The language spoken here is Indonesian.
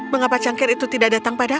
mengapa cangkir itu tidak datang pada